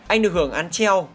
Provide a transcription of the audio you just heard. anh được hưởng án treo